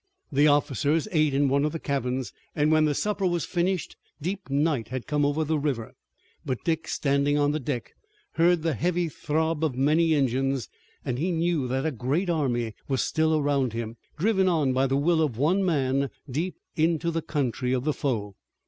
The officers ate in one of the cabins, and when the supper was finished deep night had come over the river, but Dick, standing on the deck, heard the heavy throb of many engines, and he knew that a great army was still around him, driven on by the will of one man, deep into the country of the foe.